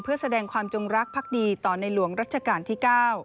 เพื่อแสดงความจงรักภักดีต่อในหลวงรัชกาลที่๙